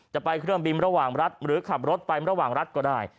จะไปเครื่องบินระหว่างรัฐหรือขับรถไประหว่างรัฐก็ได้